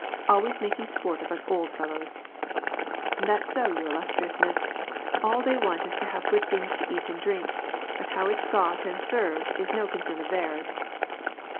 " Always maJdng sport of us old fellows !"" That's so, your illustriousness, all they want is to hav good things to eat and drink, but how it's got and served i no concern of theii s."